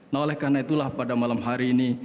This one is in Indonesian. nah oleh karena itulah pada malam hari ini